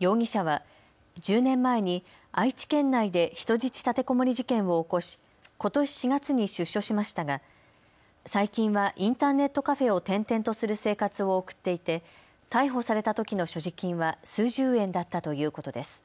容疑者は１０年前に愛知県内で人質立てこもり事件を起こしことし４月に出所しましたが最近はインターネットカフェを転々とする生活を送っていて逮捕されたときの所持金は数十円だったということです。